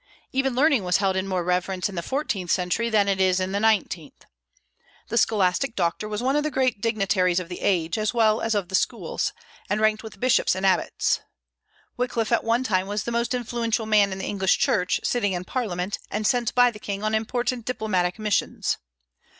Even learning was held in more reverence in the fourteenth century than it is in the nineteenth. The scholastic doctor was one of the great dignitaries of the age, as well as of the schools, and ranked with bishops and abbots. Wyclif at one time was the most influential man in the English Church, sitting in Parliament, and sent by the king on important diplomatic missions.